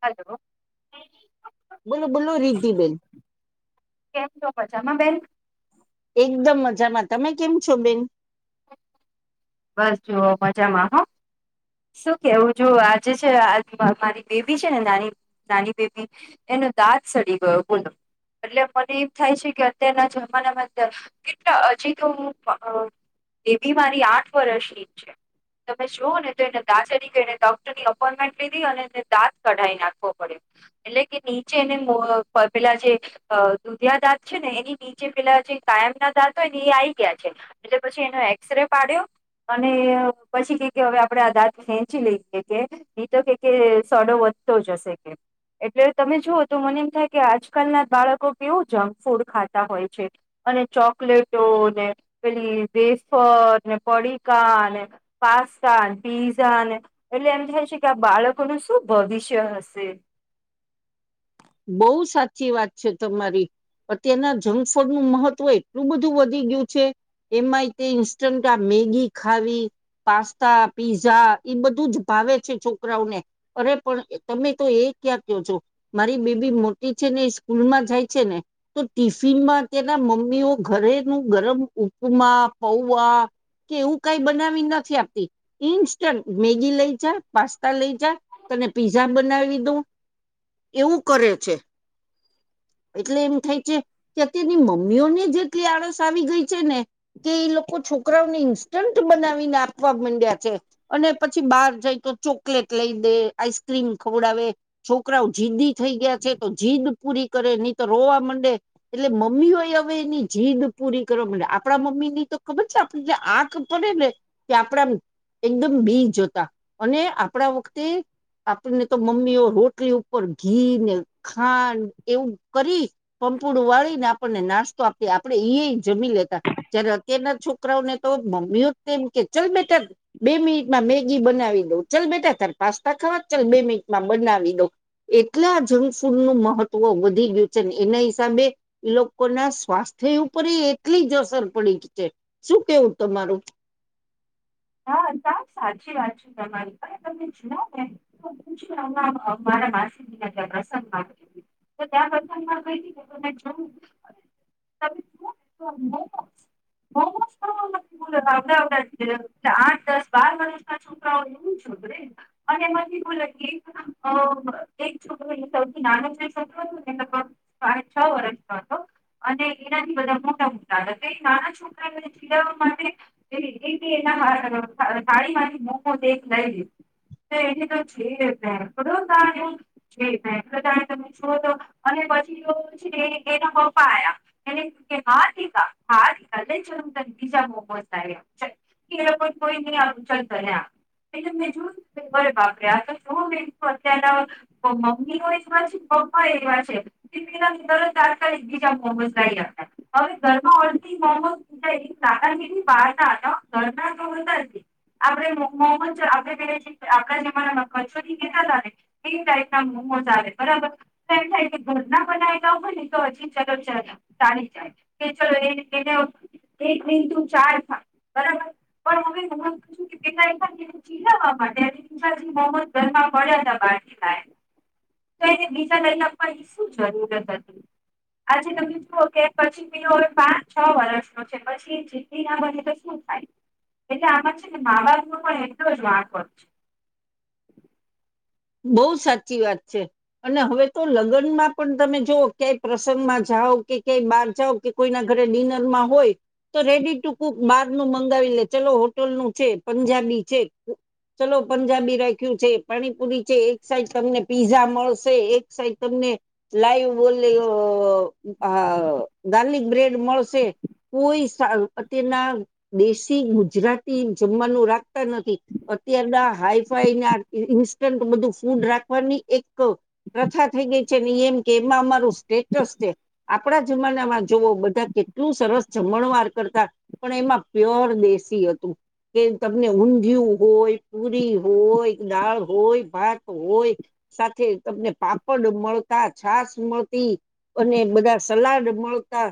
Hello. બોલો, બોલો, રીઘી બેન. કેમ જો છે આમાં બેન? એકદમ મજામાં. તમે કેમ છો બેન? બસ, જુઓ મજામાં હો. શું કેવું? જો આજે છે મારી બેબી છે ને, નાની નાની બેબી એનું દાંત સડી ગયુ બોલો? એટલે મને એમ થાય છે કે, અત્યારના જમાનામાં કેટલા હજી તો હું એ બી મારી આઠ વર્ષની છે, તમે જોઓ ને ને દારી એને ડોક્ટરની અપોઇન્ટમેન્ટ લીધી, અને એને દાંત કાઢી નાખવો પડ્યો. એટલે કે નીચે એને પેલા જે અ દુધિયા દાંત છે ને, એની નીચે પેલા જે કાયમ ના દાંત હોય ને, એ આઈ ગયા છે. એટલે પછી એનો એક્સ ર પાડ્યો, અને પછી ક કે હવે આપણેે દાંત ખેંચી લઈ કે નહી, તો કે સોડો વધતો જશે કે. એટલે તમે જુઓ તો, મને એમ થાય કે, આજકાલ ના બાળકો કેવું જંક ફૂડ ખાતા હોય છે. અને ચોકલેટો ને, પેલી વેફર પડીકા ને. પાસતા. પીઝાને એટલે એમ થાય છે કે, આ બાળકોનું શું ભવિષ્ય હશે. બહુ સાચી વાત છે, તમારી. અત્યારના જંક ફૂડ નું મહત્વ એટલું બધું વધી ગયું છે. એમાંય તે ઇન્સ્ટન્ટ આ મેગી ખાવી. પાસ્તા પીઝા બધું જ ભાવે છે, છોકરાઓને અરે પણ તમે તો એ ક્યાં કો છો. મારી બેબી મોટી છે ને, એ સ્કૂલમાં જાય છે ને. તો ટિફિનમાં તેના મમ્મીઓ ઘરેનું ગરમ ઉપમા, પૌવા. કે એવું કઈ બનાવી નથી આપતી. ઇન્સ્ટન્ટ મેગી લઈ જા, પાસ્તા લઈ જા, તને પીઝા બનાવી દુ. એવું કરે છે. એટલે એમ થાય છે કે, અત્યારની મમ્મીઓને જેટલી આળસ આવી ગઈ છે ને. કે એ લોકો છોકરાઓને ઇન્સ્ટન્ટ બનાવીને, આપવા માંડ્યા છે. અને પછી બહાર જઈ તો ચોકલેટ લઈ દે, આઈસ્ક્રીમ ખવડાવે છોકરાઓ. જીદી થઈ ગયા છે, તો જીદ પૂરી કરે નહી તો રોવા માંડે. એટલે મમ્મીઓ એ હવે એની જીદ પૂરી કરવા માટેે, આપણા મમ્મી ની તો ખબર છે, આપ જે આંખ પડે ને તે આપડા એકદમ બી જતા અને આપડા વખતે આપણને તો મમ્મીઓ રોટલી ઉપર ઘી ને ખાંડ એવું કરી. પમપુડું વાળી ને આપણને નાસ્તો આપીએ આપડે એ જમી લેતા. જ્યારે અત્યારના છોકરાઓને તો મમ્મીઓ જ તેમ કે ચલ બેટા બે મિનિટમાં મેગી બનાવી દઉં ચલ બેટા તારે પાસ્તા ખાવા ચલ બે મિનિટમાં બનાવી દઉં એટલા જંક ફૂડ નું મહત્વ વધી ગયું છે ને એના હિસાબે લોકો ના સ્વાસ્થ્ય ઉપર એટલી જ અસર પડી છે. શું કેવું તમારું? હા કા સાચી વાત છે. તમારી પણ તમને જુઓને [unintelligible] મારા માસી દને પ્રસંગમાં તો ત્યાં [unintelligible] કઈ કે ત જોવું [unintelligible] મોમોસ ખાવામાં [unintelligible] એટલે આઠ દસ બાર વર્ષ ના છોકરાઓ એવું છોકરે અને એમાંથી બોલે એક છોકરો એ સૌથી નાનો જે છોકરો હતો ને ગ સાડે છ વર્ષનો હતો. અને એનાથી બધા મોટા મોટા તો એ નાના છોકરાને ચિડાવવા માટે એ એ એના સાડી માંથી મોકો એક લઈ લી [unintelligible] છે તમે છુ તો અને પછી છે એના પપા આયા એને કે હા દિકા હા દિકા [unintelligible] બીજા મો મોસ લાવી આપું ચલ તેરા કોલ કોઈ ની ચલ તાન્યા એટલે મેં જોયુંરે વાપર્યા તો જો મે અત્યારના તો મમ્મીઓ એવા છે, પપ્પા ય એવા છે. [unintelligible] તરત જ બીજા મોમોસ લાવી આપ્યા હવે ઘરમાં ઓલરેડી મોમોસ કાર કેટલી બહાર ના હતા ઘરના તો જ આપડે મોહમ્મદ આપે પને આપડા જમાનામાં કચોરિ કેતા હતા ને તે ટાઇપ ના મોમોજ આવે બરાબર. થાય કે ઘરના બનાયેલા હોય ને તો હજી ચલો તારી જાય. કે ચલો એ એને એક ની તું ચાર ખા બરાબર પણ મમ્મી તમે પૂછ્યું કે [unintelligible] ચીડવવા માટે પછી મોહમ્મદ ગરમાં પડ્યા હતા બાર [unintelligible] તો એને બીજા લઈને આપવાની શું જરૂરત હતી. આજે તમે જૂઓ કે પછી પીલો હવે પાંચ છ વર્ષ નો છે પછી જીદી ના બને તો શું થાય એટલે આમાં છે ને મા - બાપ નો પણ એટલો જ વાંક હોય છે બહુ સાચી વાત છે. અને હવે તો લગ્નમાં પણ તમે જોઓ, ક્યાંય પ્રસંગમાં જાઓ કે ક્યાંય બાર જાવ કે કોઈના ઘરે ડિનર માં હોય તો રેડી ટુ કુક બહાર નું મંગાવી લે. ચલો હોટલનું છે પંજાબી છે. ચલો પંજાબી રાખ્યું છે પાણીપુરી છે એક સાઈડ તમને પીઝા મળશે એક સાઈડ તમને લાઈવ બોલી ગાર્લિક બ્રેડ મળશે. કોઈ અત્યારના દેશી ગુજરાતી જમવાનું રાખતા નથી. અત્યારના હાઈફાઈ ના ઇન્સ્ટન્ટ બધું ફૂડ રાખવાની એક. પ્રથા થઈ ગઈ છે એમ કે એમાં અમારું સ્ટેટસ છે. આપડા જમાનામાં જોવ બધા કેટલું સરસ જમણ વાર કરતા. પણ એમાં પ્યોર દેશી હતું. કે તમને ઊંધિયું હોય, પુરી હોય, દાળ હોય, ભાત હોય, સાથે તમને પાપડ મળતા છાસ મળતી અને બધા સલાડ મળતા.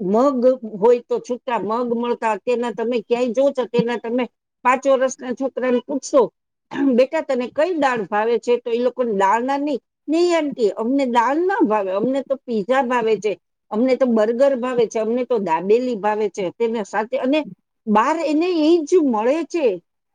મગ હોય તો છૂટા મગ મળતા, અત્યારના તમે ક્યાંય જો છો તેના તમે પાંચ વર્ષ ના છોકરા ને પૂછશો બેટા તને કઈ દાળ ભાવે છે, તો એ લોકોને દાળ ના નહી ની આંટી, અમને દાલ ના ભાવે, અમને તો પીઝા ભાવે છે અમને તો બર્ગર ભાવે છે, અમને તો દાબેલી ભાવે છે, તેને સાથે અને બાર એને એજ મળે છે,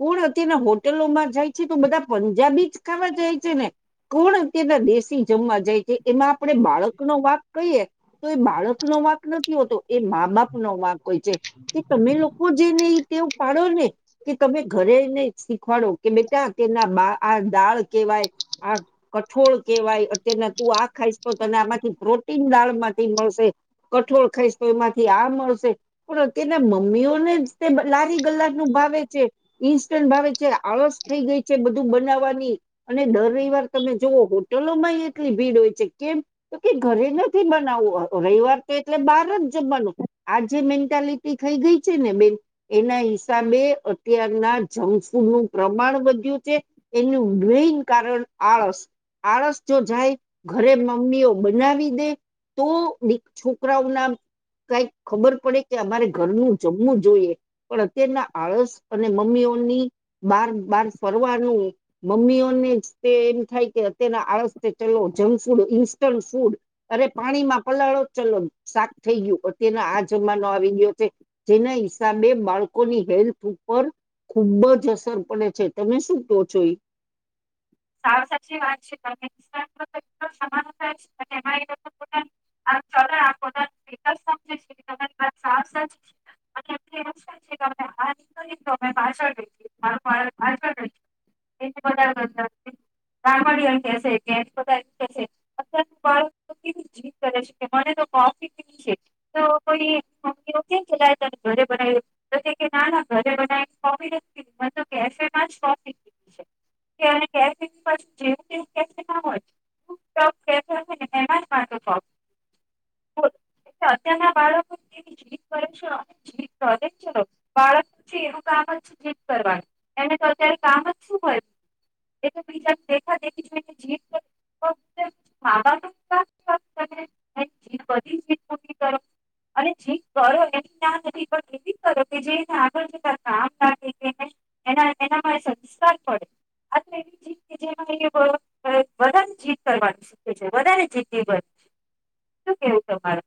કોણ અત્યારના હોટલોમાં જાય છે, તો બધા પંજાબી જ ખાવા જાય છે ને, કોણ અત્યના દેશી જમવા જાય છે, એમાં આપડે બાળક નો વાક કહીએ તો, એ બાળક નો વાક નથી હોતો, એમા બાપ નો વાંક હોય છે કે તમે લોકો જે ને ઈ ટેવ પાડો ને કે તમે ઘરે શીખવાડો. કે બેટા કેના આ દાળ કેવાય આ. કઠોળ કહેવાય, અત્યારના તું આ ખાઈશ તોને આમાંથી પ્રોટીન દાળમાંથી મળશે કઠોળ ખાઈશ તો, એમાંથી આ મળશે પણ તેના મમ્મીઓને જ તે લારી ગલા નું ભાવે છે ઇન્સ્ટન્ટ ભાવે છે. આળસ થઈ ગઈ છે, બધું બનાવવાની અને દર રવિવાર તમે જુવો, હોટલો માં એટલી ભીડ હોય છે. કેમ? તો કે ઘરે નથી બનાવવું, રવિવાર તો એટલે બહાર જ જમવાનું આ જે મેન્ટાલિટી ખઈ ગઈ છે ને બેન એના હિસાબે અત્યારના જંકફૂડ નું પ્રમાણ વધ્યું જે એનું ગ્રીઈન કારણ આળસ આળસ જો જાય, ઘરે મમ્મીઓ બનાવી દે તો છોકરાઓ ના કઈ ખબર પડે કે, અમારે ઘરનું જમવું જોઈએ પણ અત્યારના આળસ અને, મમ્મીઓની બાર બાર ફરવાનું મમ્મીઓને જ તે એમ થાય કે, અત્યરના આળસ ચલો જંક ફૂડ ઇન્સ્ટન્ટ ફૂડ અરે પાણીમાં પલાળો ચલો શાક થઈ ગયુ અત્યારનો આ જમાનો આવી ગયો છે જેના હિસાબે બાળકોની હેલ્થ ઉપર ખુબ જ અસર પડે છે તમે શું ક્યાં છો ઈ સાવ સાચી વાત છે, સમાન [unintelligible] [unintelligible] [unintelligible] [unintelligible] [unintelligible] કેવી જી કરે છે કે, મને તો કોફી પીવુ છે [unintelligible] ઘરે બનાવ [unintelligible] [unintelligible] [unintelligible] [unintelligible] બોલો અત્યારના બાળકો જીદ કરે છે, જીદ છે બાળક એનુ કામ છે જીદ કરવાની એને તો અત્યારે કામ જ શું હોય [unintelligible] એની બધી જીદ પૂરી કરો અને જીદ કરો એ ના નથી પણ એવી કરો કે જેને આગળ કે કામ લાગે કે એના એનામા એ સંસ્કાર અ એવી જીદ કે [unintelligible] જે વધુ જીદ કરવાનું શીખે છે, વધારે જીદી બને, શું કેવું તમારે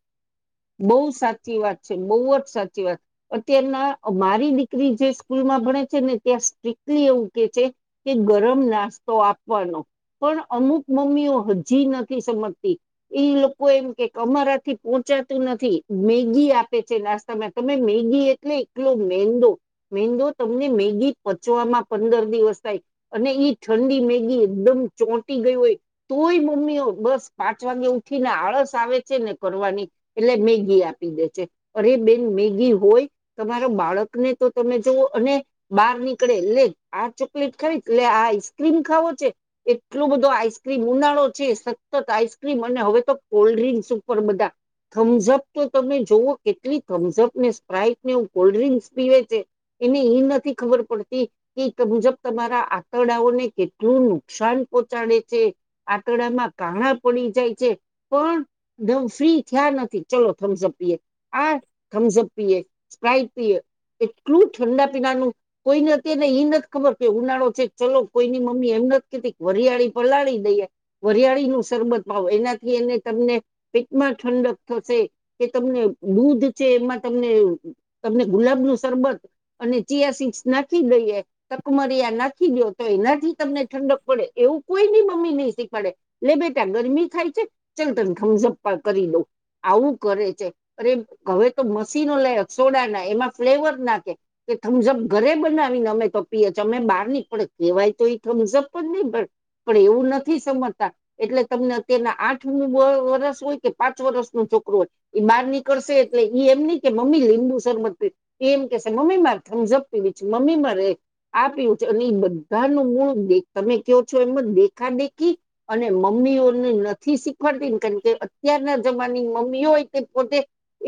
બહુ સાચી વાત છે, બહુ જ સાચી વાત અત્યારના મારી દીકરી જે સ્કૂલમાં ભણે છે ને, ત્યાં સ્ટ્રકલી એવું કે છે કે ગરમ નાસ્તો આપવાનો. પણ અમુક મમ્મીઓ હજી નથી સમજતી. એ લોકો એમ કેક અમારા થી પહોંચ્યા નથી. મેગી આપે છે, નાસ્તામાં તમે મેગી એટલે, એટલો મેંદો. મેંદો તમને મેગી પચવામાં પંદર દિવસ થાય. અને ઈ ઠંડી મેગી એકદમ ચોંટી ગઈ હોય. તોય મમ્મીઓ બસ પાંચ વાગે ઉઠીને આળસ આવે છે ને કરવાની. એટલે મેગી આપી દે છે. અરે બેન મેગી હોય. તમારા બાળકને તો તમે જોઓ અને બહાર નીકળે, એટલે આ ચોકલેટ ખાવી, લે આ આઈસ્ક્રીમ ખાવો છે. એટલો બધો આઈસ્ક્રીમ ઉનાળો છે. સતત આઈસ્ક્રીમ અને હવે તો કોલ્ડ્રિંકસ ઉપર બધા થમ્સઅપ તો તમે જોઓ કેટલી થમ્સઅપ ને, સ્પ્રાઈટ ને એવું કોલ્ડ્રિંક્સ પીવે છે. એને એ નથી ખબર પડતી- કે મુજબ તમારા આંતરડાઓને કેટલું નુકસાન પહોંચાડે છે. આંકરડામાં કાણા પડી જાય છે. પણ દમ ફ્રી થ્યાં નથી ચલો થમઝપ પીએ, આ થમઝપ પીએ, સ્પ્રાઇટ પીએ. એટલું ઠંડા પીણાનું કોઈને અત્યારેને એઈ નથી ખબર કે ઉનાળો છે, ચલો કોઈની મમ્મી એમ નથી કેતી વરિયાળી પર લાડી દઈએ. વરિયાળનું શરબત પાવો. એનાથી એને તમને પેટમાં ઠંડક થશે. એ તમને દૂધ છે, એમાં તમને તમને ગુલાબનું શરબત અને ચીયા સી્સ નાખી દઈએ. તકમરિયા નાખી દો તો એનાથી તમને ઠંડક પડે, એવું કોઈની મમ્મી નહીં શીખવાડે. લે બેટા ગરમી થાય છે, ચલ તને થમઝપ કરી દઉ. આવું કરે છે. અરે! હવે, તો મશીનો લે સોડાના એમાં ફ્લેવર નાખે. કે થમ્સઅપ ઘરે બનાવીને અમે તો પીએ. અમે બહાર હી પડે કહેવાય તો એ થમ્સઅપ પણ નહી. પણ એવું નથી સમજતા એટલે તમને અત્યારના આઠમું બ વરસ હોય. કે પાંચ વર્ષનો છોકરો હોય, એ બહાર નીકળશે એટલે ઈ એમની કે મમ્મી લીંબુ શરબત એ એમ કેહશે, મમ્મી મારે થમ્સઅપ પીવી છે. મમ્મી મારે આ પીવું છે અને એ બધાનું મૂળ તમે કહો છો? એમાં દેખા દેખી અને મમ્મીઓને નથી શીખવાડતી ને કેમ કે અત્યારના જમાની મમ્મીઓ હોય, તે પોતે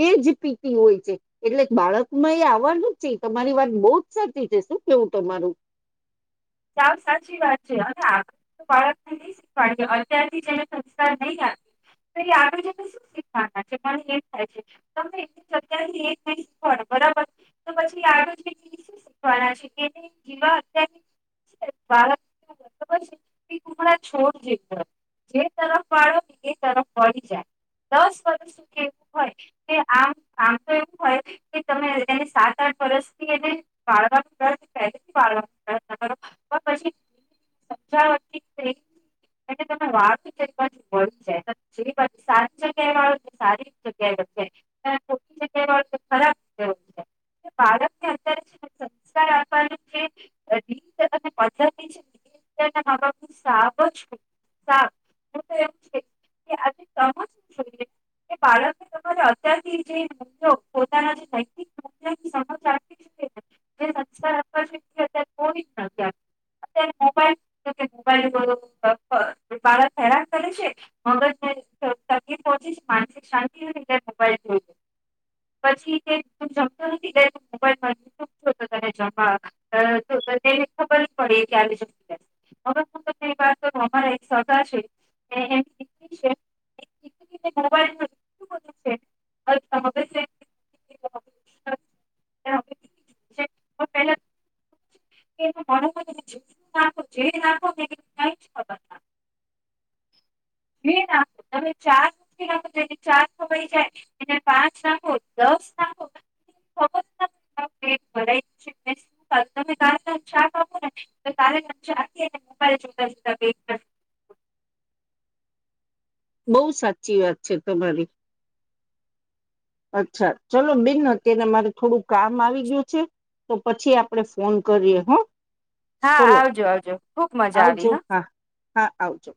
એજ પીતી હોય છે. એટલે બાળકમાં એ આવવાનું જ છે, તમારી વાત બહુ જ સાચી છે. શું કેવું તમારું? સાવ સાચી વાત છે. હા. તો બાળકને નહી શીખવાડય, અત્યારથી જેને સંસ્કાર નહી આપ્યો. તો એ આગળ જઈ ને શું શીખવાના છે? પણ એ થાય છે. તમે અત્યારથી એજ નઈ શીખવાડે બરાબર. તો પછી આડ શીખવાના છે. જેવા અત બાળ ત છોટ જખ- જે તરફ વાળો, એ તરફ વળી જાય. દસ વર્ષું કેવું હોય? કે આમ, આમ તો એવું હોય. કે તમે એને સાત આઠ વર્ષથી એને વાળવાનો પ્રયત્ન પહેરીથી વાળવાનો પ્રયત્ન કરો. પણ પછી સમજાવાથી. [unintelligible] એટલે તમે વાળતું એક બાછુ વળી જાય, જે બાજુ સારી જગ્યાએ વાળું સારી. [unintelligible] કે અત્યારે જ થમ્સઅપ. શા વ્યાપારિ છે હજી. કે તમે પરધાતી છે કે એના મા બાપ નું સાવ જ. [inaudible] બાળક તમારે અત્યારથી જે પોતાના જે નૈતિક [inaudible] જેને સંસ્કાર આપ્યા છે. અચ્છા. અત્યારે મોબાઈલ જો કે [unintelligible] બાળક હેરાન કરે છે. મગજને તકલીફ ઓછી માનસિક શાંતિ અને [unintelligible] પછી તે તું જમતો નથી ગઈ મોબાઈલમાં છો તો તને જમાં અ શું થશે. ખબર જ પડી જાવે [unintelligible] અમાર એક સગા છે હમ્મ હ [inaudible] છે દીકરી ને મોબાઈલ નું કેટલુ બધું આવે છે [unintelligible] પણ પેલા કે એમાં ગણું બધું છે જે માંગો તે [unintelligible] છે બધા બે નાખ તમે ચાર રોટલી નાખોને ચાર ખવાઈ જાય ને એને પાંચ નાખો દસ નાખો [unintelligible] તમે કરેલા નું શાક આપો ને તો એ કારેલા ના શાક એ મોબાઈલ જોતા જોતા બઉ સાચી વાત છે તમારી અચ્છા ચલો બેન અત્યારે મારે થોડું કામ આવી ગયું છે તો પછી આપડે ફોન કરીએ હો. હા આવજો આવજો ખુબ મજા આવી આવજો હો. હા હા આવજો.